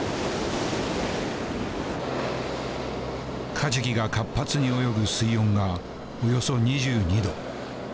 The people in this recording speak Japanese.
カジキが活発に泳ぐ水温がおよそ２２度。